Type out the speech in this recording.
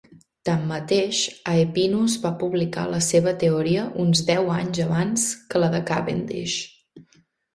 Tanmateix, Aepinus va publicar la seva teoria uns deu anys abans que la de Cavendish.